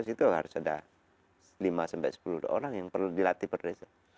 itu harus ada lima sepuluh orang yang perlu dilatih per desa